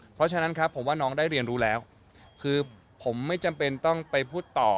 เพราะฉะนั้นครับผมว่าน้องได้เรียนรู้แล้วคือผมไม่จำเป็นต้องไปพูดต่อ